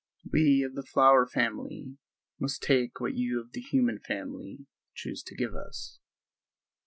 We of the flower family must take what you of the human family choose to give us.